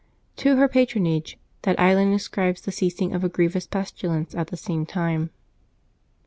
To her patronage that island ascribes the ceasing of a grievous pestilence at the same time.